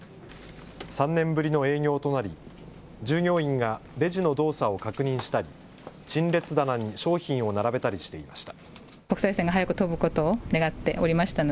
３年ぶりの営業となり従業員がレジの動作を確認したり陳列棚に商品を並べたりしていました。